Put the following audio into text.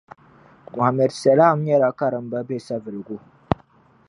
Mohammed salam nyela karimba be Savelugu